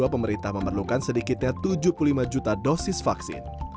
pemerintah memerlukan sedikitnya tujuh puluh lima juta dosis vaksin